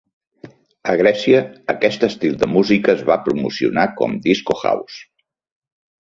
A Grècia, aquest estil de música es va promocionar com "disco house".